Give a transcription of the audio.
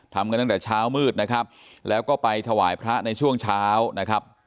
ทำกันตั้งแต่เช้ามืดนะครับแล้วก็ไปถวายพระในช่วงเช้านะครับ